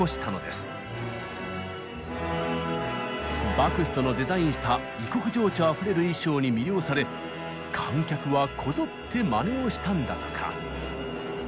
バクストのデザインした異国情緒あふれる衣装に魅了され観客はこぞって真似をしたんだとか。